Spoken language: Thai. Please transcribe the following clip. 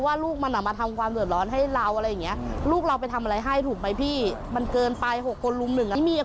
ว่าลูกมันออกมาทำความเถอะร้อนให้เราอะไรอย่างนี้